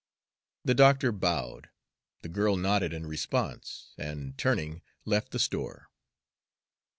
The doctor bowed. The girl nodded in response, and, turning, left the store.